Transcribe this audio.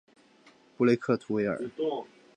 布雷克图维尔。